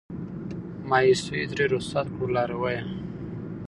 مایوسیو ترې رخصت کړو لارویه